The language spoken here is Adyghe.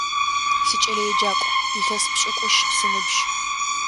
Сыкӏэлэеджакӏу, илъэс пшӏыкӏущ сыныбжь.